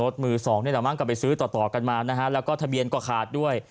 มือสองนี่แหละมั้งก็ไปซื้อต่อต่อกันมานะฮะแล้วก็ทะเบียนก็ขาดด้วย